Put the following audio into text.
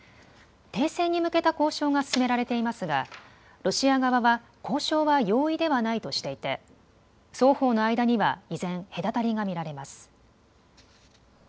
停戦に向けた交渉が進められていますがロシア側は交渉は容易ではないとしていて双方の間には依然、隔たりが見られます。